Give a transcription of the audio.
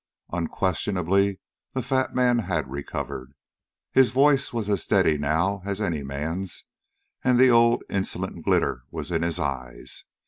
Unquestionably the fat man had recovered. His voice was as steady now as any man's, and the old, insolent glitter was in his eyes.